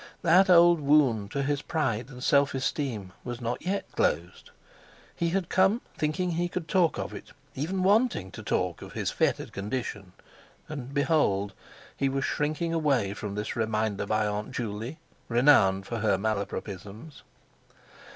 That old wound to his pride and self esteem was not yet closed. He had come thinking he could talk of it, even wanting to talk of his fettered condition, and—behold! he was shrinking away from this reminder by Aunt Juley, renowned for her Malapropisms.